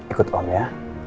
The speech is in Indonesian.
ikut om ya